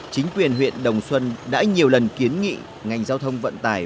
chính quyền huyện đồng xuân đã nhiều lần kiến nghị ngành giao thông vận tải